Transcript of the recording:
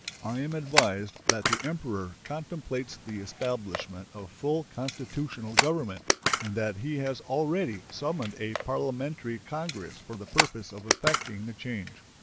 I am advised that the Emperor contemplates the establishment of full constitutional government, and that he has already summoned a parliamentary congress for the purpose of effecting the change.